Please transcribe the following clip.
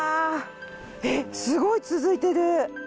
えっすごい続いてる。